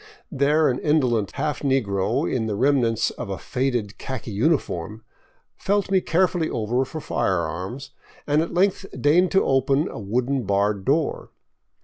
There an insolent half negro in the remnants of a faded khaki uniform felt me carefully over for firearms, and at length deigned to open a wooden barred door.